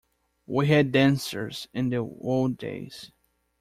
We had dancers in the old days.